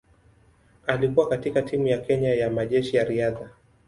Alikuwa katika timu ya Kenya ya Majeshi ya Riadha.